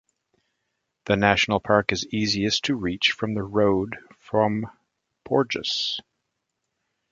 The national park is easiest to reach from the road from Porjus.